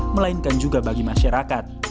melainkan juga bagi masyarakat